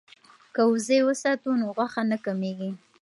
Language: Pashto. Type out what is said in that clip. که وزې وساتو نو غوښه نه کمیږي.